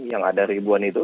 yang ada ribuan itu